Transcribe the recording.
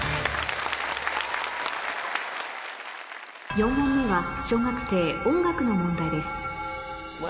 ４問目は小学生音楽の問題です